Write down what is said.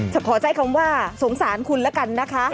แต่ขอใจคำว่าสงสารคุณละกันนะคะ